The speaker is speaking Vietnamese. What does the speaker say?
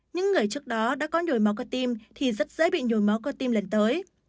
những người trước đó đã có nhồi máu cơ tim thì rất dễ bị nhồi máu cơ tim lần tới